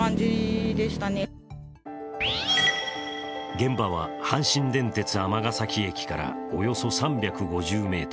現場は阪神電鉄尼崎駅からおよそ３５０ｍ。